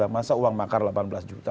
masa uang makar delapan belas juta